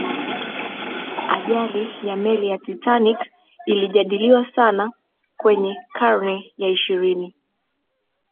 ajali ya meli ya titanic ilijadiliwa sana kwenye karne ya ishirini